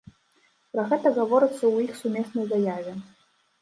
Пра гэта гаворыцца ў іх сумеснай заяве.